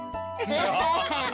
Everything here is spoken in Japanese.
アハハハハ！